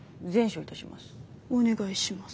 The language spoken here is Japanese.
お願いします。